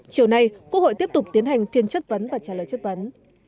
chiều nay quốc hội tiếp tục tiến hành phiên chất vấn và trả lời chất vấn